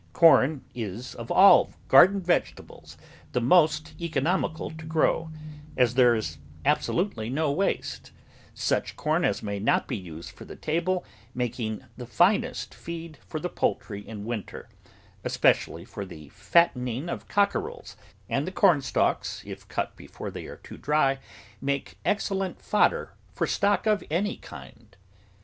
Corn is, of all garden vegetables, the most economical to grow, as there is absolutely no waste, such corn as may not be used for the table making the finest feed for the poultry in winter, especially for the fattening of cockerels, and the cornstalks, THE VEGETABLE GARDEN if cut before they are too dry, makes excellent fod der for stock of any kind.